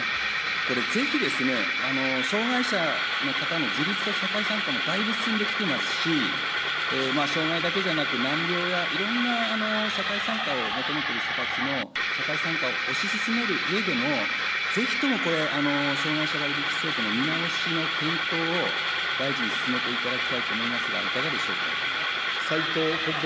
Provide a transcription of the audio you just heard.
これ、ぜひですね、障害者の方の自立と社会参加もだいぶ進んできてますし、障害だけじゃなく、難病や、いろんな社会参加を求めている人たちの社会参加を推し進めるうえでも、ぜひともこれ、障害者割引制度の見直しの検討を、大臣に進めていただきたいと思いますが、いかがでしょうか。